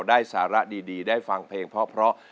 ได้สาระดีได้ฟังเพลงเพราะ